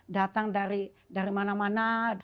datang dari mana mana